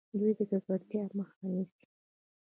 دوی د ککړتیا مخه نیسي.